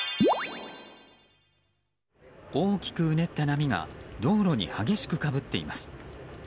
大きくうねった波が道路に激しくかぶっています。